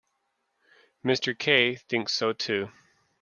Mr. Kay thinks so too.